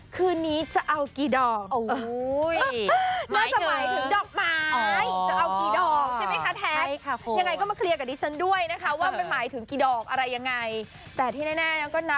คืนนี้จะเอากี่ดอก